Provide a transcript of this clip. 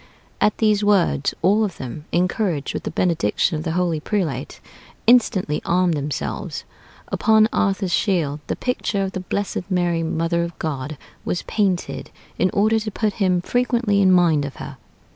At these words, all of them, encouraged with the benediction of the holy prelate, instantly armed themselves.... Upon [Arthur's shield] the picture of the blessed Mary, Mother of God, was painted, in order to put him frequently in mind of her....